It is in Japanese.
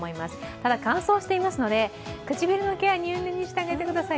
ただ、乾燥していますので唇のケア入念にしてあげてください。